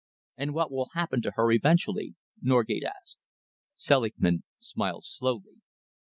"And what will happen to her eventually?" Norgate asked. Selingman smiled slowly.